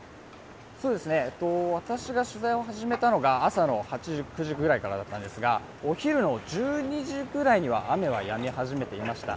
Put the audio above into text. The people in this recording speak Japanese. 私が取材を始めたのが朝の８時、９時ぐらいだったんですがお昼の１２時ぐらいには雨はやみ始めていました。